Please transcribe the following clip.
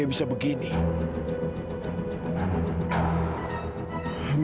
ya allah gimana ini